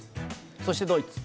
そしてドイツ。